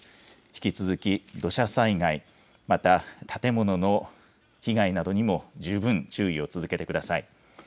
引き続き土砂災害、また建物の被害などにも十分注意を続けてください。